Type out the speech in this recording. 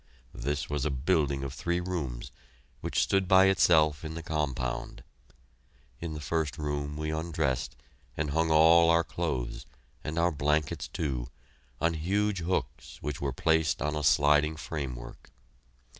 This was a building of three rooms, which stood by itself in the compound. In the first room we undressed and hung all our clothes, and our blankets too, on huge hooks which were placed on a sliding framework.